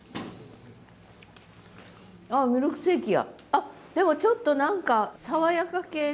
あっでもちょっと何か爽やか系の。